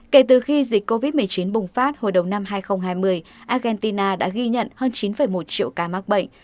kể từ khi dịch covid một mươi chín bùng phát hồi đầu năm hai nghìn hai mươi argentina đã ghi nhận hơn chín một triệu ca mắc bệnh